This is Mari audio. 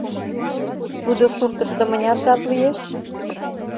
Тудо суртышто мыняр жап лиеш?